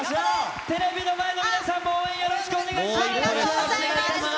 テレビの前の皆さんも応援よろしお願いします。